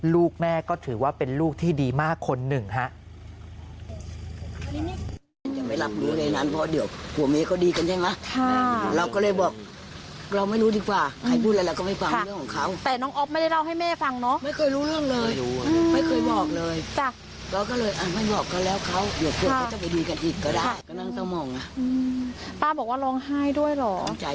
ลูกแม่ก็ถือว่าเป็นลูกที่ดีมากคนหนึ่งฮะ